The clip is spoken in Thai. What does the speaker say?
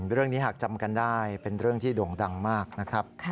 เรื่องนี้หากจำกันได้เป็นเรื่องที่โด่งดังมากนะครับ